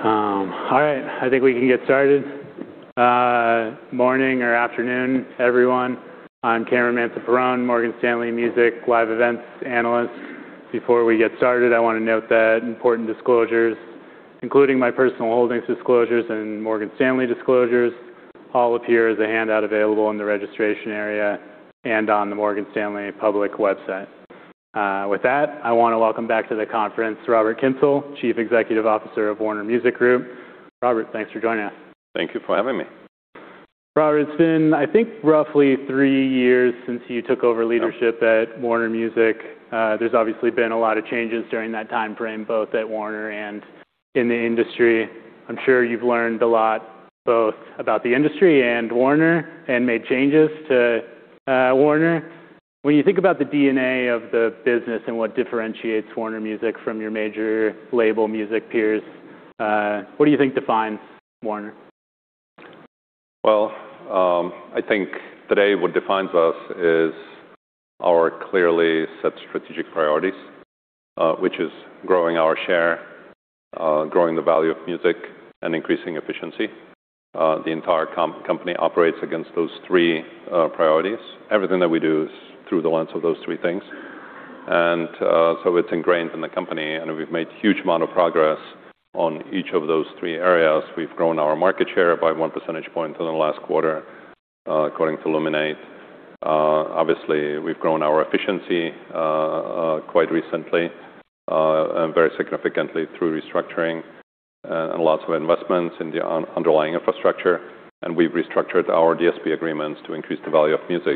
All right. I think we can get started. Morning or afternoon, everyone. I'm Cameron Mansson-Perrone, Morgan Stanley Music Live Events Analyst. Before we get started, I wanna note that important disclosures, including my personal holdings disclosures, and Morgan Stanley disclosures, all appear as a handout available in the registration area and on the Morgan Stanley public website. With that, I wanna welcome back to the conference Robert Kyncl, Chief Executive Officer of Warner Music Group. Robert, thanks for joining us. Thank you for having me. Robert, it's been, I think, roughly three years since you took over leadership at Warner Music. There's obviously been a lot of changes during that timeframe, both at Warner and in the industry. I'm sure you've learned a lot both about the industry and Warner and made changes to Warner. When you think about the DNA of the business and what differentiates Warner Music from your major label music peers, what do you think defines Warner? Well, I think today what defines us is our clearly set strategic priorities, which is growing our share, growing the value of music, and increasing efficiency. The entire company operates against those three priorities. Everything that we do is through the lens of those three things. It's ingrained in the company, and we've made huge amount of progress on each of those three areas. We've grown our market share by one percentage point in the last quarter, according to Luminate. Obviously, we've grown our efficiency quite recently, and very significantly through restructuring and lots of investments in the underlying infrastructure, and we've restructured our DSP agreements to increase the value of music.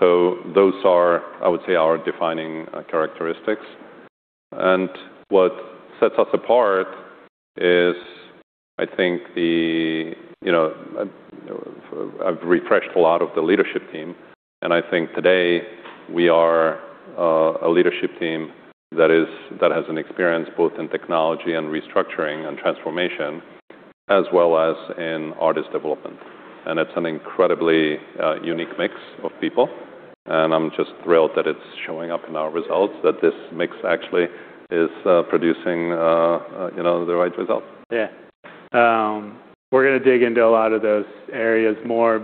Those are, I would say, our defining characteristics. What sets us apart is, I think the, you know, I've refreshed a lot of the leadership team, and I think today we are a leadership team that has an experience both in technology and restructuring and transformation, as well as in artist development. It's an incredibly unique mix of people, and I'm just thrilled that it's showing up in our results, that this mix actually is producing, you know, the right results. Yeah. We're gonna dig into a lot of those areas more.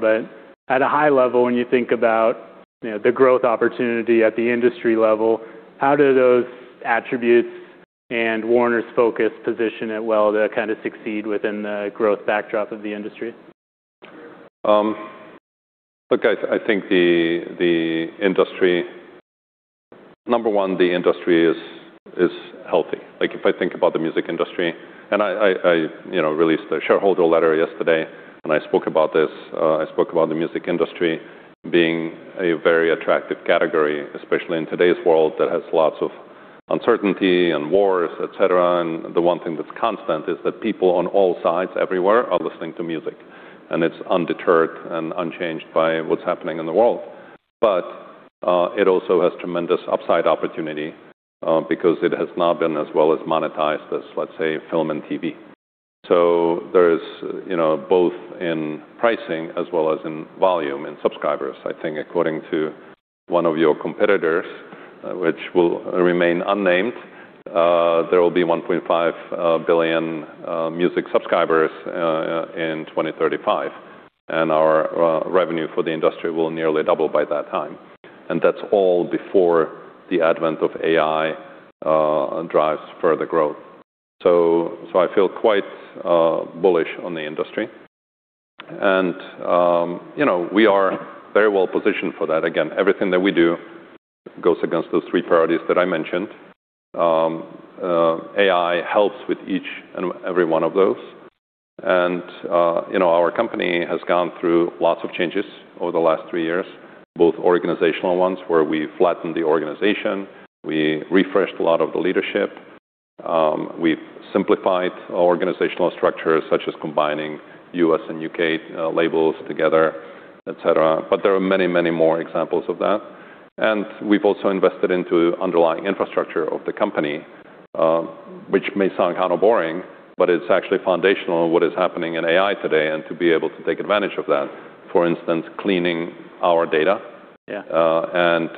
At a high level, when you think about, you know, the growth opportunity at the industry level, how do those attributes and Warner's focus position it well to kinda succeed within the growth backdrop of the industry? Look, I think the industry. Number one, the industry is healthy. Like, if I think about the music industry, and I, you know, released the shareholder letter yesterday, and I spoke about this. I spoke about the music industry being a very attractive category, especially in today's world that has lots of uncertainty and wars, et cetera. The one thing that's constant is that people on all sides everywhere are listening to music, and it's undeterred and unchanged by what's happening in the world. It also has tremendous upside opportunity because it has not been as well as monetized as, let's say, film and TV. There's, you know, both in pricing as well as in volume and subscribers. I think according to one of your competitors, which will remain unnamed, there will be 1.5 billion music subscribers in 2035, and our revenue for the industry will nearly double by that time. That's all before the advent of AI drives further growth. I feel quite bullish on the industry. You know, we are very well positioned for that. Again, everything that we do goes against those three priorities that I mentioned. AI helps with each and every one of those. You know, our company has gone through lots of changes over the last three years, both organizational ones where we flattened the organization, we refreshed a lot of the leadership, we've simplified organizational structures, such as combining U.S. and U.K. labels together, et cetera. There are many, many more examples of that. We've also invested into underlying infrastructure of the company, which may sound kind of boring, but it's actually foundational in what is happening in AI today and to be able to take advantage of that, for instance, cleaning our data. Yeah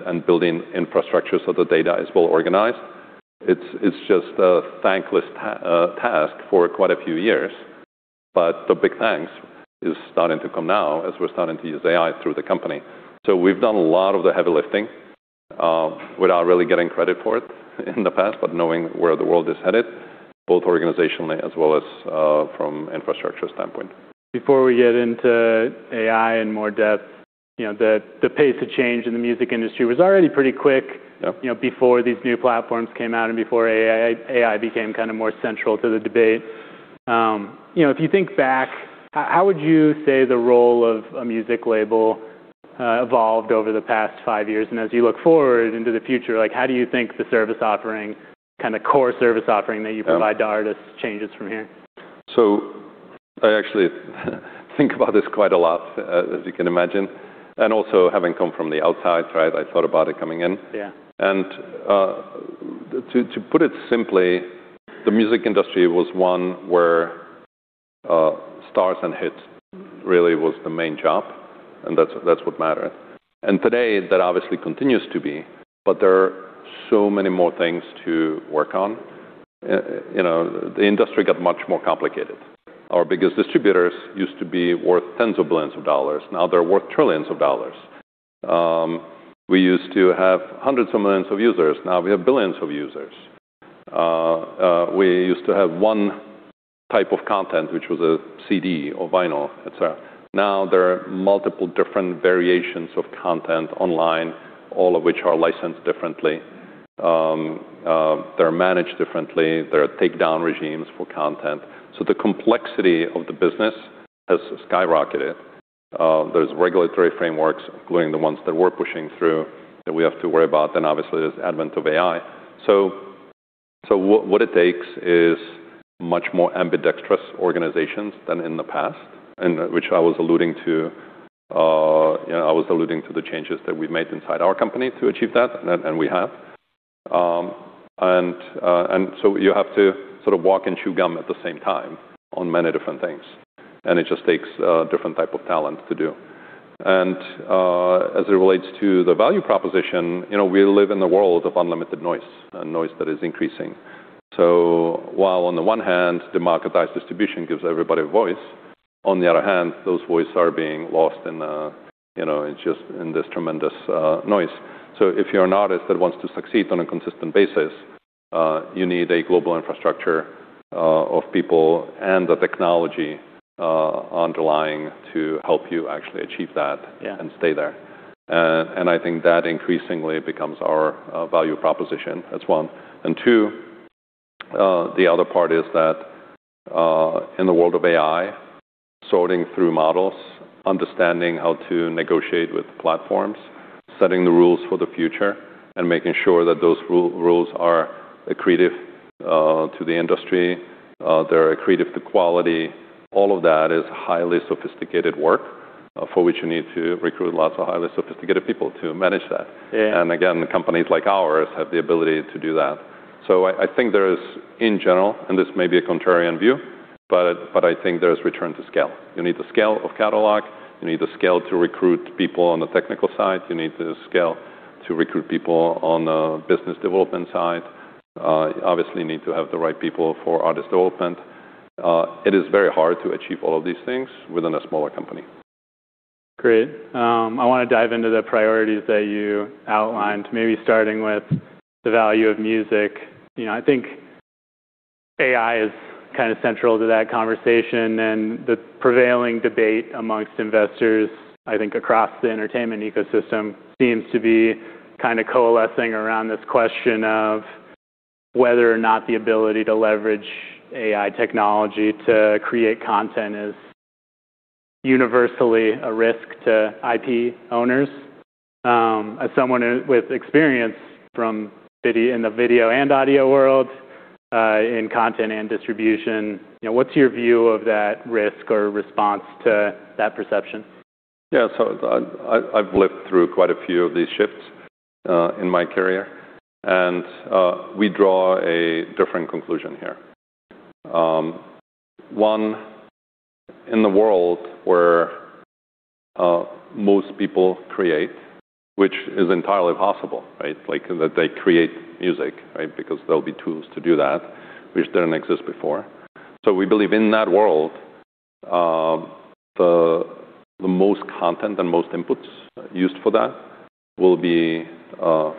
And building infrastructure so the data is well organized. It's just a thankless task for quite a few years, but the big thanks is starting to come now as we're starting to use AI through the company. We've done a lot of the heavy lifting, without really getting credit for it in the past, but knowing where the world is headed, both organizationally as well as from infrastructure standpoint. Before we get into AI in more depth, you know, the pace of change in the music industry was already pretty quick. Yep You know, before these new platforms came out and before AI became kind of more central to the debate. You know, if you think back, how would you say the role of a music label evolved over the past five years? As you look forward into the future, like, how do you think the service offering, kind of core service offering that you provide to artists changes from here? I actually think about this quite a lot, as you can imagine, and also having come from the outside, right? I thought about it coming in. Yeah. To put it simply, the music industry was one where stars and hits really was the main job, and that's what mattered. Today, that obviously continues to be, but there are so many more things to work on. You know, the industry got much more complicated. Our biggest distributors used to be worth tens of billions of dollars. Now they're worth trillions of dollars. We used to have hundreds of millions of users. Now we have billions of users. We used to have one type of content, which was a CD or vinyl, et cetera. Now there are multiple different variations of content online, all of which are licensed differently. They're managed differently. There are takedown regimes for content. The complexity of the business has skyrocketed. There's regulatory frameworks, including the ones that we're pushing through, that we have to worry about. Obviously, there's advent of AI. What it takes is much more ambidextrous organizations than in the past, and which I was alluding to. You know, I was alluding to the changes that we've made inside our company to achieve that, and we have. You have to sort of walk and chew gum at the same time on many different things, and it just takes a different type of talent to do. As it relates to the value proposition, you know, we live in the world of unlimited noise and noise that is increasing. While on the one hand, democratized distribution gives everybody a voice, on the other hand, those voices are being lost in, you know, in just, in this tremendous noise. If you're an artist that wants to succeed on a consistent basis, you need a global infrastructure of people and the technology underlying to help you actually achieve that. Yeah. And stay there. I think that increasingly becomes our value proposition. That's one. Two, the other part is that in the world of AI, sorting through models, understanding how to negotiate with platforms, setting the rules for the future, and making sure that those rules are accretive to the industry, they're accretive to quality, all of that is highly sophisticated work, for which you need to recruit lots of highly sophisticated people to manage that. Yeah. Again, companies like ours have the ability to do that. I think there is, in general, and this may be a contrarian view, but I think there's return to scale. You need the scale of catalog. You need the scale to recruit people on the technical side. You need the scale to recruit people on the business development side. You obviously need to have the right people for artist development. It is very hard to achieve all of these things within a smaller company. Great. I wanna dive into the priorities that you outlined, maybe starting with the value of music. You know, I think AI is kind of central to that conversation, and the prevailing debate amongst investors, I think across the entertainment ecosystem, seems to be kind of coalescing around this question of whether or not the ability to leverage AI technology to create content is universally a risk to IP owners. As someone with experience in the video and audio world, in content and distribution, you know, what's your view of that risk or response to that perception? I've lived through quite a few of these shifts in my career, and we draw a different conclusion here. One, in the world where most people create, which is entirely possible, right? Like, that they create music, right? Because there'll be tools to do that which didn't exist before. We believe in that world, the most content and most inputs used for that will be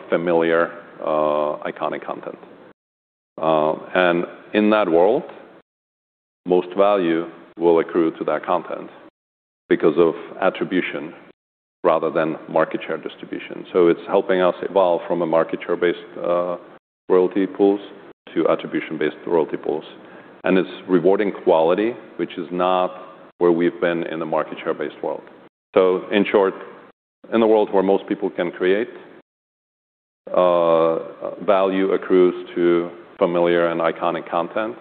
familiar, iconic content. In that world, most value will accrue to that content because of attribution rather than market share distribution. It's helping us evolve from a market share-based royalty pools to attribution-based royalty pools, and it's rewarding quality, which is not where we've been in the market share-based world. In short, in the world where most people can create, value accrues to familiar and iconic content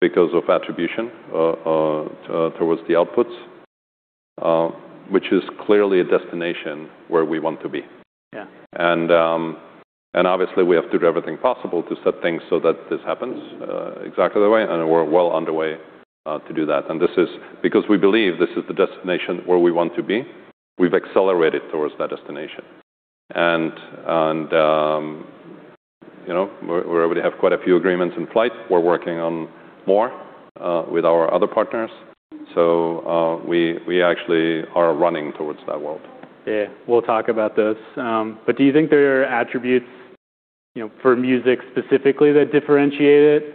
because of attribution, towards the outputs, which is clearly a destination where we want to be. Yeah. Obviously, we have to do everything possible to set things so that this happens exactly that way, and we're well underway to do that. This is because we believe this is the destination where we want to be, we've accelerated towards that destination. You know, we already have quite a few agreements in flight. We're working on more with our other partners. We actually are running towards that world. Yeah. We'll talk about this. Do you think there are attributes, you know, for music specifically that differentiate it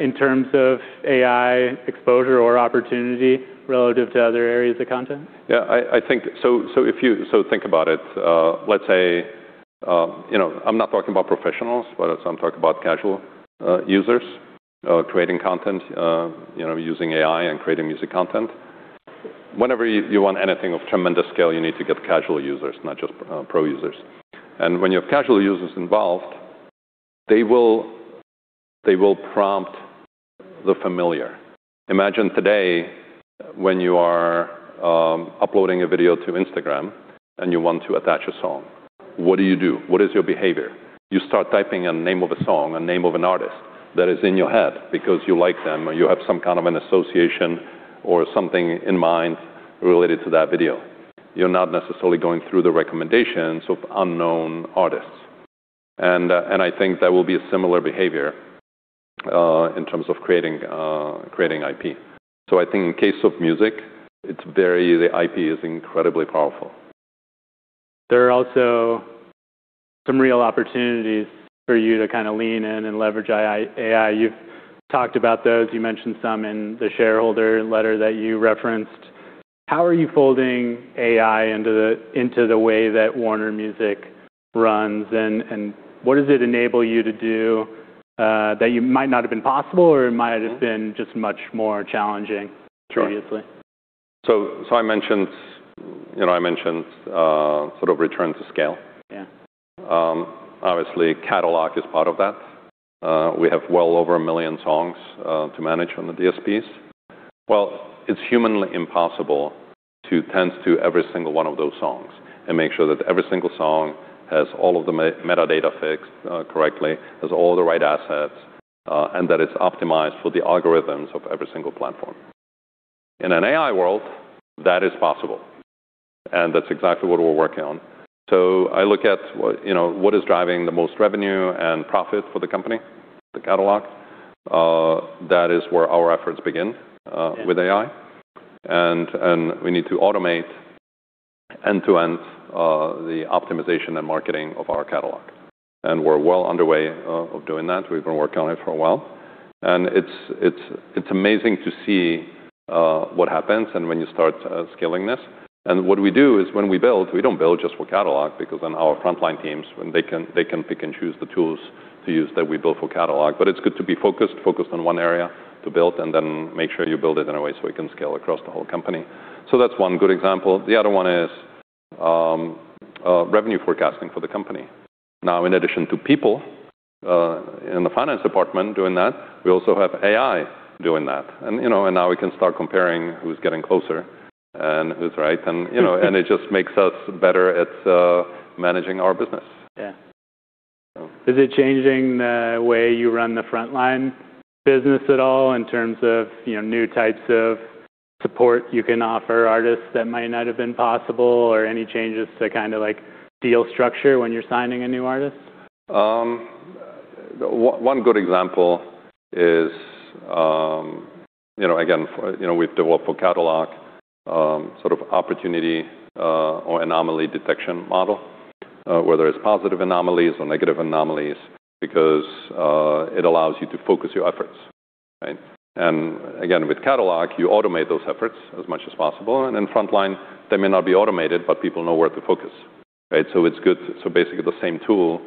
in terms of AI exposure or opportunity relative to other areas of content? Yeah, I think. Think about it. Let's say, you know, I'm not talking about professionals, but I'm talking about casual users creating content, you know, using AI and creating music content. Whenever you want anything of tremendous scale, you need to get casual users, not just pro users. When you have casual users involved, they will prompt the familiar. Imagine today when you are uploading a video to Instagram and you want to attach a song. What do you do? What is your behavior? You start typing a name of a song, a name of an artist that is in your head because you like them, or you have some kind of an association or something in mind related to that video. You're not necessarily going through the recommendations of unknown artists. I think that will be a similar behavior, in terms of creating IP. I think in case of music, the IP is incredibly powerful. There are also some real opportunities for you to kinda lean in and leverage AI. You've talked about those. You mentioned some in the shareholder letter that you referenced. How are you folding AI into the, into the way that Warner Music runs, and what does it enable you to do that might not have been possible, or it might have just been much more challenging. Sure -previously? I mentioned, you know, sort of return to scale. Yeah. Obviously, catalog is part of that. We have well over a million songs to manage on the DSPs. Well, it's humanly impossible to tend to every single one of those songs and make sure that every single song has all of the metadata fixed correctly, has all the right assets, and that it's optimized for the algorithms of every single platform. In an AI world, that is possible, and that's exactly what we're working on. I look at what, you know, what is driving the most revenue and profit for the company, the catalog. That is where our efforts begin. Yeah -with AI. We need to automate end-to-end the optimization and marketing of our catalog. We're well underway of doing that. We've been working on it for a while. It's amazing to see what happens and when you start scaling this. What we do is when we build, we don't build just for catalog because then our frontline teams, when they can, they can pick and choose the tools to use that we built for catalog. It's good to be focused on one area to build and then make sure you build it in a way so it can scale across the whole company. That's one good example. The other one is revenue forecasting for the company. Now, in addition to people in the finance department doing that, we also have AI doing that. You know, and now we can start comparing who's getting closer and who's right. You know, and it just makes us better at managing our business. Yeah. So. Is it changing the way you run the frontline business at all in terms of, you know, new types of support you can offer artists that might not have been possible or any changes to kinda like deal structure when you're signing a new artist? One good example is, you know, again, for, you know, we've developed for catalog, sort of opportunity or anomaly detection model, whether it's positive anomalies or negative anomalies, because it allows you to focus your efforts, right? Again, with catalog, you automate those efforts as much as possible. In frontline, they may not be automated, but people know where to focus, right? Basically the same tool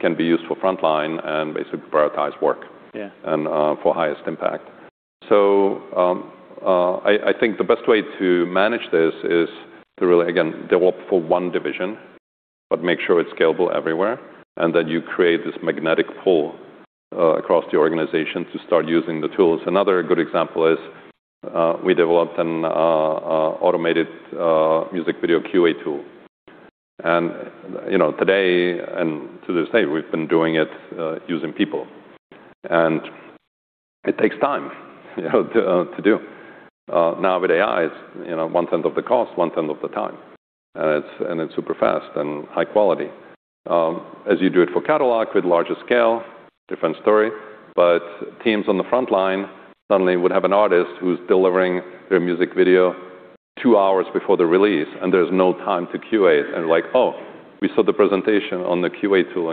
can be used for frontline and basically prioritize work. Yeah For highest impact. I think the best way to manage this is to really, again, develop for one division, but make sure it's scalable everywhere, and then you create this magnetic pull across the organization to start using the tools. Another good example is we developed an automated music video QA tool. You know, today, and to this day, we've been doing it using people. It takes time, you know, to do. Now with AI, it's, you know, 1/10 of the cost, 1/10 of the time, and it's super fast and high quality. As you do it for catalog with larger scale, different story. Teams on the frontline suddenly would have an artist who's delivering their music video two hours before the release, and there's no time to QA. like, "Oh, we saw the presentation on the QA tool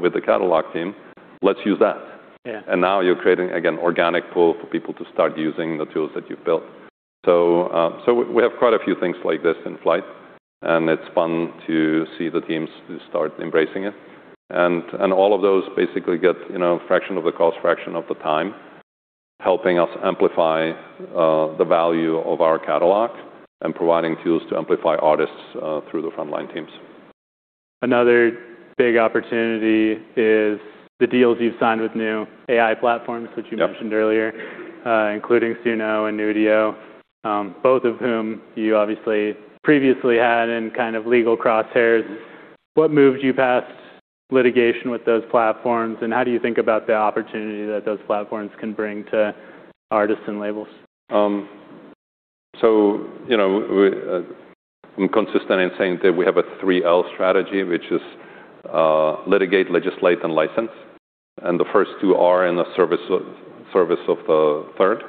with the catalog team. Let's use that". Yeah. Now you're creating, again, organic pull for people to start using the tools that you've built. We have quite a few things like this in flight, and it's fun to see the teams start embracing it. All of those basically get, you know, fraction of the cost, fraction of the time, helping us amplify the value of our catalog and providing tools to amplify artists through the frontline teams. Another big opportunity is the deals you've signed with new AI platforms. Yep Which you mentioned earlier, including Suno and Udio, both of whom you obviously previously had in kind of legal crosshairs. What moved you past litigation with those platforms, and how do you think about the opportunity that those platforms can bring to artists and labels? You know, we, I'm consistent in saying that we have a three L strategy, which is litigate, legislate, and license. The first two are in the service of the third.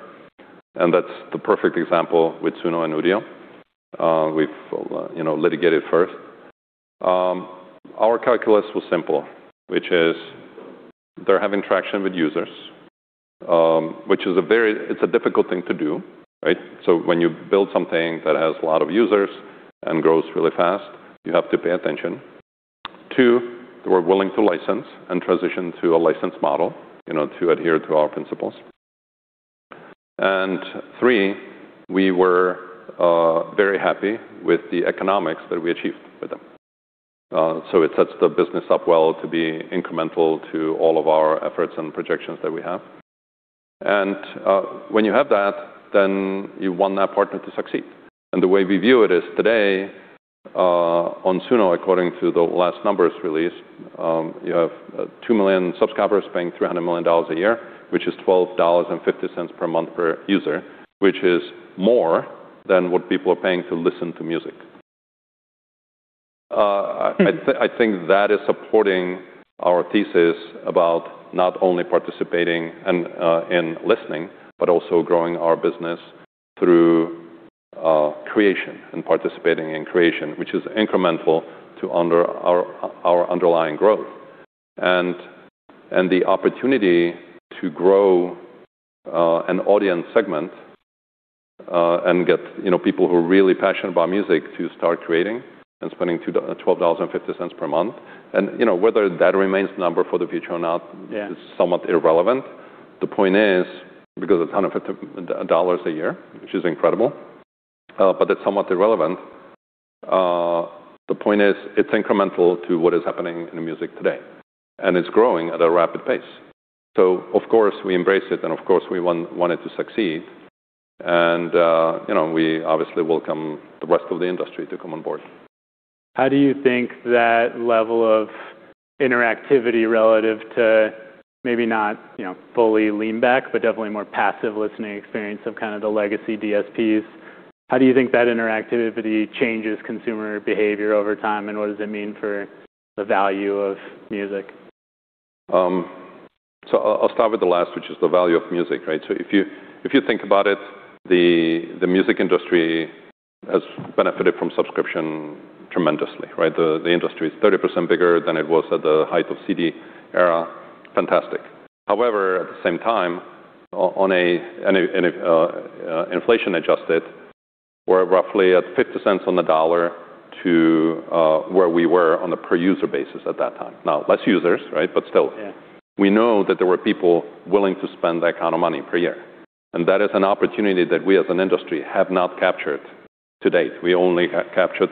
That's the perfect example with Suno and Udio. We've, you know, litigated first. Our calculus was simple, which is they're having traction with users, which is a very difficult thing to do, right? When you build something that has a lot of users and grows really fast, you have to pay attention. Two, they were willing to license and transition to a license model, you know, to adhere to our principles. Three, we were very happy with the economics that we achieved with them. It sets the business up well to be incremental to all of our efforts and projections that we have. When you have that, then you want that partner to succeed. The way we view it is today on Suno, according to the last numbers released, you have two million subscribers paying $300 million a year, which is $12.50 per month per user, which is more than what people are paying to listen to music. I think that is supporting our thesis about not only participating and in listening, but also growing our business through creation and participating in creation, which is incremental to our underlying growth. The opportunity to grow an audience segment and get, you know, people who are really passionate about music to start creating and spending $12.50 per month. You know, whether that remains the number for the future or not- Yeah. Is somewhat irrelevant. The point is, because a [ton of it], dollars a year, which is incredible, but it's somewhat irrelevant. The point is it's incremental to what is happening in music today, and it's growing at a rapid pace. Of course, we embrace it, and of course, we want it to succeed. You know, we obviously welcome the rest of the industry to come on board. How do you think that level of interactivity relative to maybe not, you know, fully lean back, but definitely more passive listening experience of kind of the legacy DSPs, how do you think that interactivity changes consumer behavior over time, and what does it mean for the value of music? I'll start with the last, which is the value of music, right? If you think about it, the music industry has benefited from subscription tremendously, right? The industry is 30% bigger than it was at the height of CD era. Fantastic. However, at the same time, in a inflation adjusted, we're roughly at $0.50 on the dollar to where we were on a per user basis at that time. Less users, right? But still. Yeah. We know that there were people willing to spend that kind of money per year. That is an opportunity that we as an industry have not captured to date. We only captured,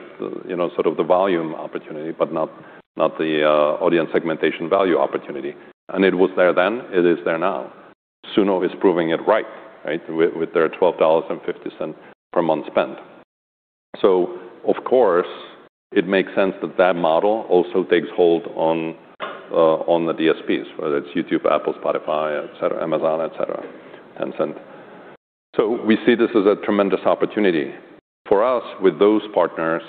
you know, sort of the volume opportunity, but not the audience segmentation value opportunity. It was there then. It is there now. Suno is proving it right? With their $12.50 per month spend. Of course, it makes sense that that model also takes hold on the DSPs, whether it's YouTube, Apple, Spotify, et cetera, Amazon, et cetera, Tencent. We see this as a tremendous opportunity. For us, with those partners,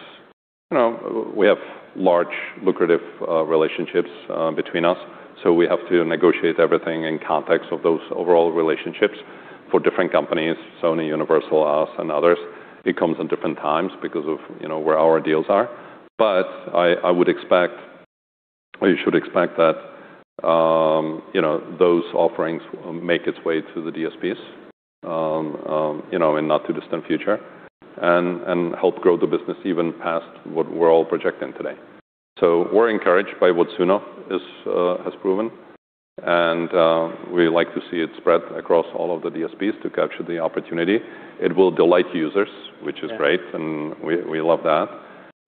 you know, we have large, lucrative relationships between us, so we have to negotiate everything in context of those overall relationships for different companies, Sony, Universal, us, and others. It comes at different times because of, you know, where our deals are. I would expect or you should expect that, you know, those offerings make its way to the DSPs, you know, in not too distant future and help grow the business even past what we're all projecting today. We're encouraged by what Suno has proven, and we like to see it spread across all of the DSPs to capture the opportunity. It will delight users, which is great. Yeah. We love that,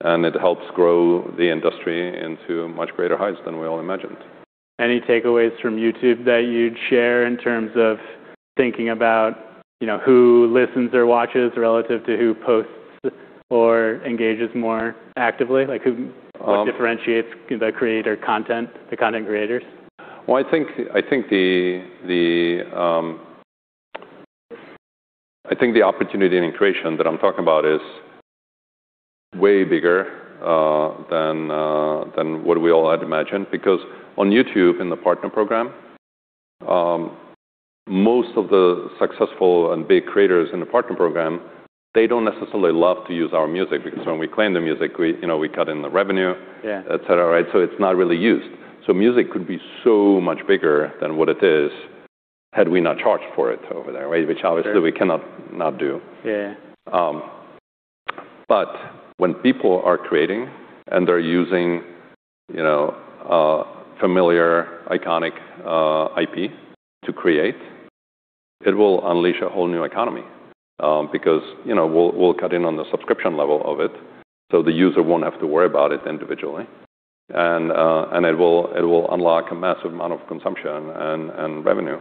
and it helps grow the industry into much greater heights than we all imagined. Any takeaways from YouTube that you'd share in terms of thinking about, you know, who listens or watches relative to who posts or engages more actively? Like who differentiates the creator content, the content creators? Well, I think the opportunity and creation that I'm talking about is way bigger than what we all had imagined because on YouTube in the Partner Program, most of the successful and big creators in the Partner Program, they don't necessarily love to use our music because when we claim the music, we, you know, we cut in the revenue. Yeah. et cetera, right? It's not really used. Music could be so much bigger than what it is had we not charged for it over there, right? Which obviously we cannot not do. Yeah. When people are creating and they're using, you know, familiar iconic IP to create, it will unleash a whole new economy, because, you know, we'll cut in on the subscription level of it, so the user won't have to worry about it individually. It will unlock a massive amount of consumption and revenue.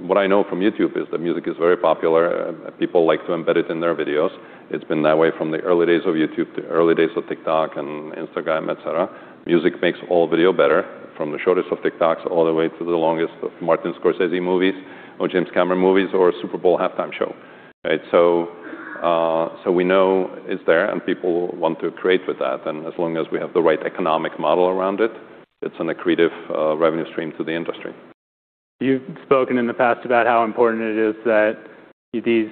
What I know from YouTube is that music is very popular. People like to embed it in their videos. It's been that way from the early days of YouTube to early days of TikTok and Instagram, et cetera. Music makes all video better, from the shortest of TikToks all the way to the longest of Martin Scorsese movies or James Cameron movies or a Super Bowl halftime show, right? We know it's there and people want to create with that, and as long as we have the right economic model around it's an accretive, revenue stream to the industry. You've spoken in the past about how important it is that these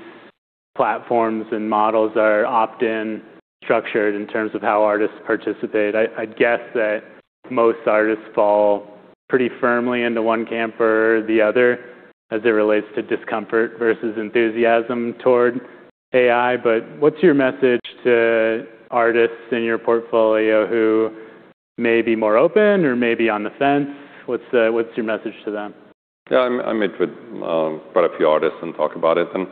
platforms and models are opt-in structured in terms of how artists participate. I'd guess that most artists fall pretty firmly into one camp or the other as it relates to discomfort versus enthusiasm toward AI. What's your message to artists in your portfolio who may be more open or may be on the fence? What's your message to them? Yeah, I meet with, quite a few artists and talk about it, and,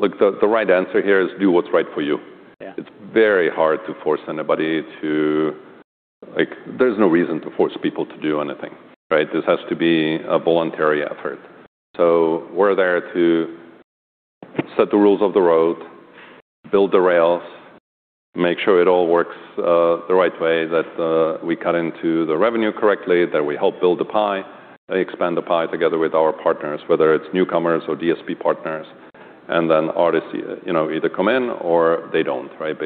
look, the right answer here is do what's right for you. Yeah. It's very hard to force anybody Like there's no reason to force people to do anything, right? This has to be a voluntary effort. We're there to set the rules of the road, build the rails, make sure it all works the right way, that we cut into the revenue correctly, that we help build the pie, expand the pie together with our partners, whether it's newcomers or DSP partners, and then artists, you know, either come in or they don't, right?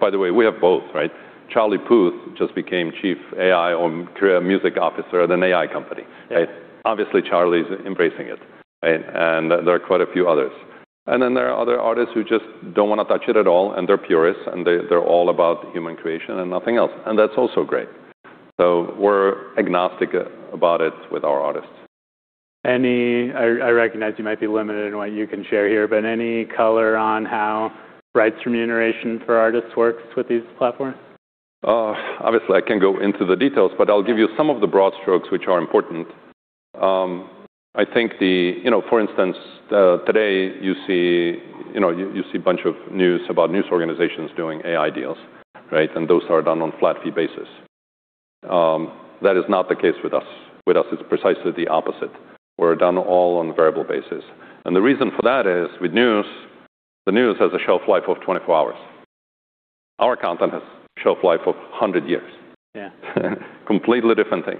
By the way, we have both, right? Charlie Puth just became Chief AI or creative music officer at an AI company, right? Yeah. Obviously, Charlie's embracing it, right? There are quite a few others. Then there are other artists who just don't want to touch it at all, and they're purists, and they're all about human creation and nothing else. That's also great. We're agnostic about it with our artists. I recognize you might be limited in what you can share here, but any color on how rights remuneration for artists works with these platforms? Obviously, I can't go into the details, but I'll give you some of the broad strokes which are important. I think You know, for instance, today you see, you know, you see a bunch of news about news organizations doing AI deals, right? Those are done on flat fee basis. That is not the case with us. With us, it's precisely the opposite. We're done all on variable basis. The reason for that is with news, the news has a shelf life of 24 hours. Our content has shelf life of 100 years. Yeah. Completely different thing.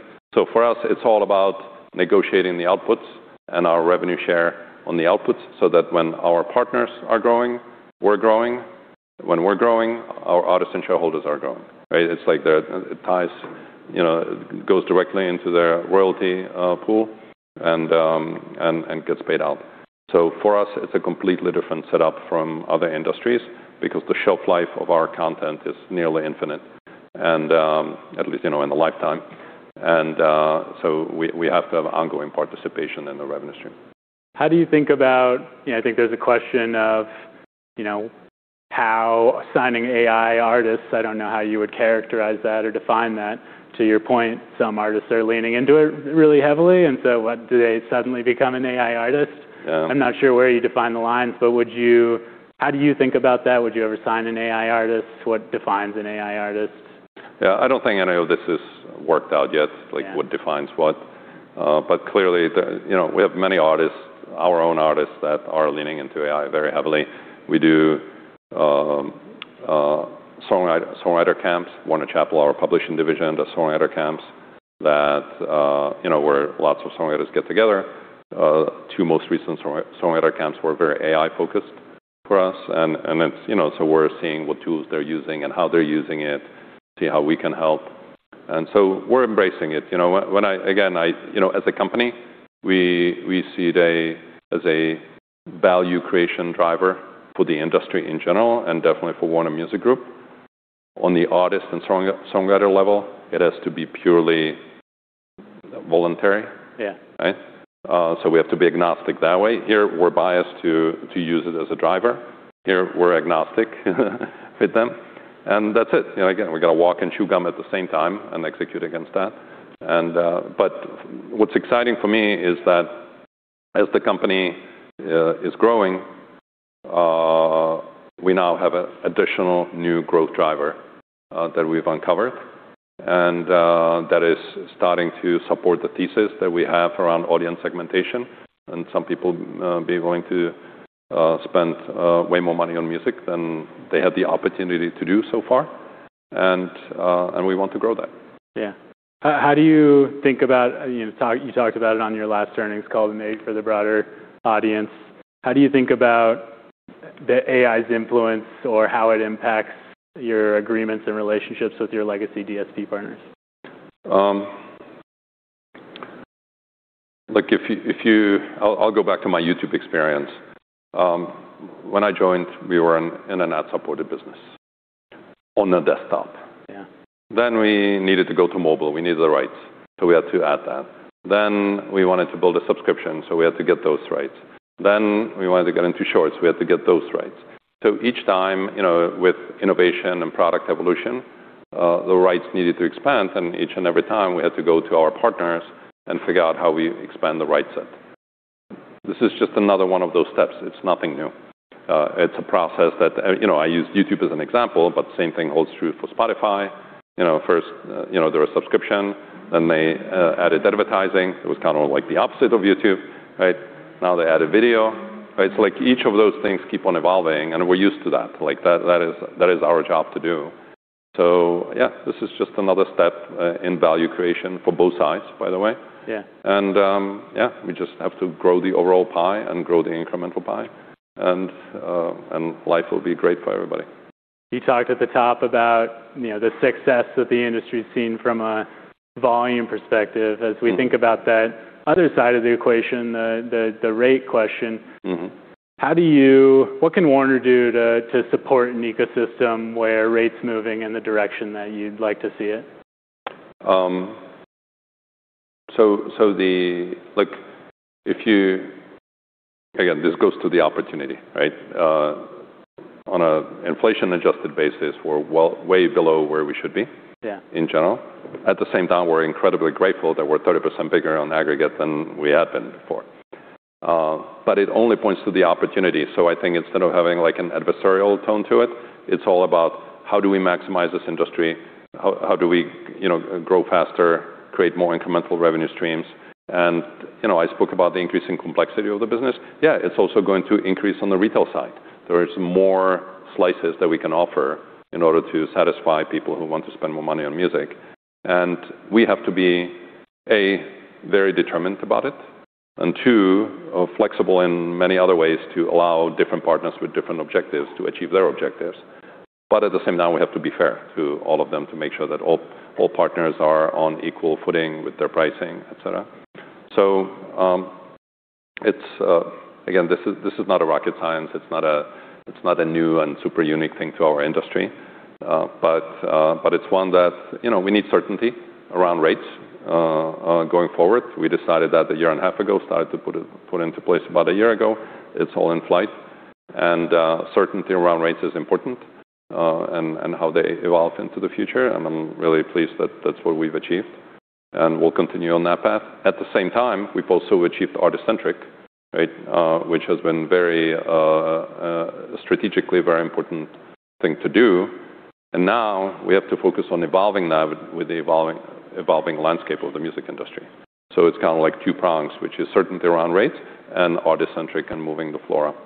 For us, it's all about negotiating the outputs and our revenue share on the outputs, so that when our partners are growing, we're growing. When we're growing, our artists and shareholders are growing, right? It's like it ties, you know, goes directly into their royalty pool and gets paid out. For us, it's a completely different setup from other industries because the shelf life of our content is nearly infinite and, at least, you know, in the lifetime. We have to have ongoing participation in the revenue stream. You know, I think there's a question of, you know, how signing AI artists, I don't know how you would characterize that or define that. To your point, some artists are leaning into it really heavily, what, do they suddenly become an AI artist? Yeah. I'm not sure where you define the lines, but how do you think about that? Would you ever sign an AI artist? What defines an AI artist? Yeah. I don't think any of this is worked out yet. Yeah Like what defines what. Clearly, you know, we have many artists, our own artists that are leaning into AI very heavily. We do songwriter camps. Warner Chappell, our publishing division does songwriter camps that, you know, where lots of songwriters get together. Two most recent songwriter camps were very AI-focused for us. It's, you know, we're seeing what tools they're using and how they're using it, see how we can help. We're embracing it. You know, when I, again, I, you know, as a company, we see it as a value creation driver for the industry in general and definitely for Warner Music Group. On the artist and songwriter level, it has to be purely voluntary. Yeah. Right? We have to be agnostic that way. Here, we're biased to use it as a driver. Here, we're agnostic with them, and that's it. You know, again, we gotta walk and chew gum at the same time and execute against that. What's exciting for me is that as the company is growing, we now have a additional new growth driver that we've uncovered and that is starting to support the thesis that we have around audience segmentation. Some people be going to spend way more money on music than they had the opportunity to do so far, and we want to grow that. Yeah. You talked about it on your last earnings call, made for the broader audience. How do you think about the AI's influence or how it impacts your agreements and relationships with your legacy DSP partners? Look, I'll go back to my YouTube experience. When I joined, we were in an ad-supported business on a desktop. Yeah. We needed to go to mobile, we needed the rights, so we had to add that. We wanted to build a subscription, so we had to get those rights. We wanted to get into Shorts, we had to get those rights. Each time, you know, with innovation and product evolution, the rights needed to expand, and each and every time we had to go to our partners and figure out how we expand the right set. This is just another one of those steps. It's nothing new. It's a process that, you know, I use YouTube as an example, but same thing holds true for Spotify. You know, first, you know, there was subscription, then they added advertising. It was kind of like the opposite of YouTube, right? Now they added video, right? It's like each of those things keep on evolving, and we're used to that. Like, that is our job to do. Yeah, this is just another step in value creation for both sides, by the way. Yeah. Yeah, we just have to grow the overall pie and grow the incremental pie and life will be great for everybody. You talked at the top about, you know, the success that the industry's seen from a volume perspective. Mm-hmm. As we think about that other side of the equation, the rate question. Mm-hmm What can Warner do to support an ecosystem where rate's moving in the direction that you'd like to see it? Look, Again, this goes to the opportunity, right? On a inflation-adjusted basis, we're way below where we should be. Yeah In general. At the same time, we're incredibly grateful that we're 30% bigger on aggregate than we had been before. It only points to the opportunity. I think instead of having, like, an adversarial tone to it's all about how do we maximize this industry? How do we, you know, grow faster, create more incremental revenue streams? You know, I spoke about the increasing complexity of the business. Yeah, it's also going to increase on the retail side. There is more slices that we can offer in order to satisfy people who want to spend more money on music. We have to be, A, very determined about it, and two, flexible in many other ways to allow different partners with different objectives to achieve their objectives. At the same time, we have to be fair to all of them to make sure that all partners are on equal footing with their pricing, et cetera. It's, again, this is, this is not a rocket science. It's not a, it's not a new and super unique thing to our industry, but it's one that, you know, we need certainty around rates. Going forward, we decided that a year and a half ago, started to put into place about a year ago. It's all in flight. Certainty around rates is important, and how they evolve into the future, and I'm really pleased that that's what we've achieved, and we'll continue on that path. At the same time, we've also achieved artist-centric, right? Which has been very, strategically very important thing to do. Now we have to focus on evolving that with the evolving landscape of the music industry. It's kind of like two prongs, which is certainty around rates and artist-centric and moving the floor up.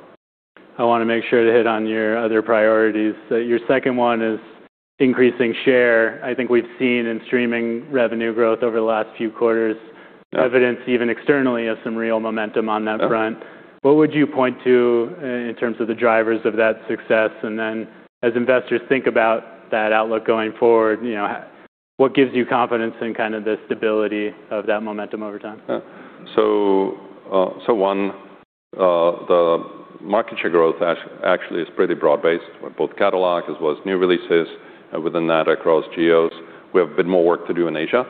I wanna make sure to hit on your other priorities. Your second one is increasing share. I think we've seen in streaming revenue growth over the last few quarters, evidence even externally of some real momentum on that front. Yeah. What would you point to in terms of the drivers of that success? Then as investors think about that outlook going forward, you know, what gives you confidence in kind of the stability of that momentum over time? Yeah. One, the market share growth actually is pretty broad-based, both catalog as well as new releases, and within that, across geos. We have a bit more work to do in Asia,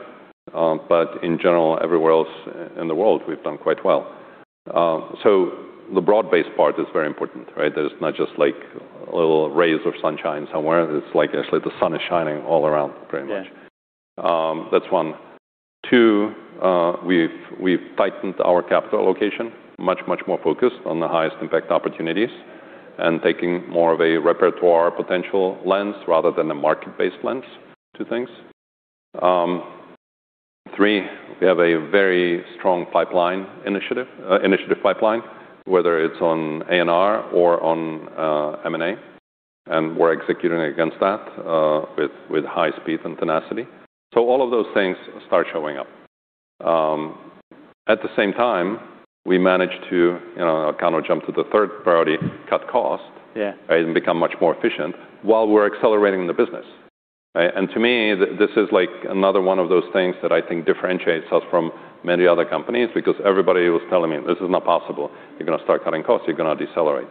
but in general, everywhere else in the world, we've done quite well. The broad-based part is very important, right? That it's not just like a little rays of sunshine somewhere. It's like actually the sun is shining all around pretty much. Yeah. That's one. Two, we've tightened our capital allocation much more focused on the highest impact opportunities and taking more of a repertoire potential lens rather than a market-based lens to things. Three, we have a very strong initiative pipeline, whether it's on A&R or on M&A, and we're executing against that with high speed and tenacity. All of those things start showing up. At the same time, we managed to, you know, kind of jump to the third priority, cut cost. Yeah And become much more efficient while we're accelerating the business. Right? To me, this is like another one of those things that I think differentiates us from many other companies because everybody was telling me, "This is not possible. You're gonna start cutting costs, you're gonna decelerate."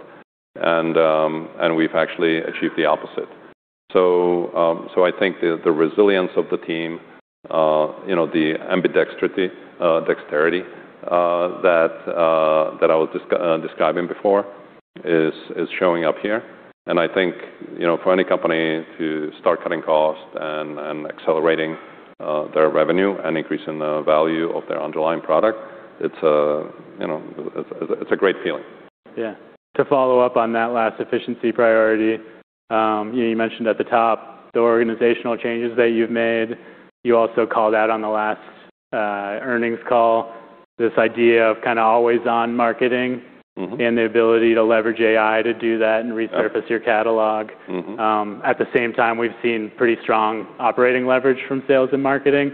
We've actually achieved the opposite. I think the resilience of the team, you know, the dexterity that I was describing before is showing up here. I think, you know, for any company to start cutting costs and accelerating their revenue and increasing the value of their underlying product, it's, you know, it's a great feeling. Yeah. To follow up on that last efficiency priority, you know, you mentioned at the top the organizational changes that you've made. You also called out on the last earnings call this idea of kinda always on marketing- Mm-hmm and the ability to leverage AI to do that and resurface your catalog. Mm-hmm. At the same time, we've seen pretty strong operating leverage from sales and marketing.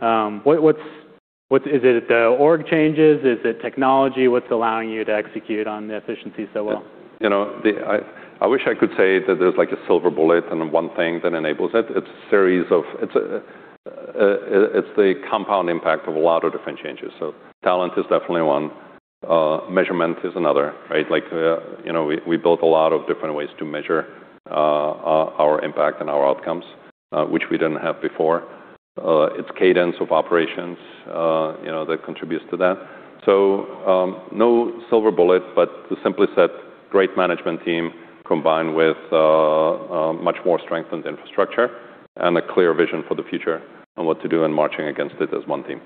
What is it the org changes? Is it technology? What's allowing you to execute on the efficiency so well? It's, you know, I wish I could say that there's like a silver bullet and one thing that enables it. It's a series of, it's the compound impact of a lot of different changes. Talent is definitely one. Measurement is another, right? You know, we built a lot of different ways to measure our impact and our outcomes, which we didn't have before. It's cadence of operations, you know, that contributes to that. No silver bullet, but to simply said, great management team combined with much more strengthened infrastructure and a clear vision for the future on what to do in marching against it as one team.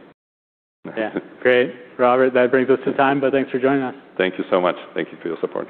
Yeah. Great. Robert, that brings us to time. Thanks for joining us. Thank you so much. Thank you for your support.